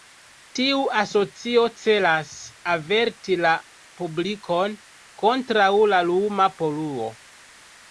Tiu asocio celas averti la publikon kontraŭ la luma poluo.